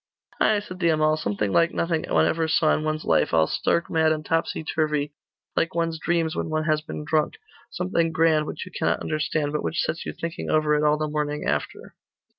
'Ay,' said the Amal, 'something like nothing one ever saw in one's life, all stark mad and topsy turvy, like one's dreams when one has been drunk; something grand which you cannot understand, but which sets you thinking over it all the morning after.